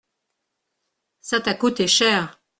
Ça t’a coûté cher.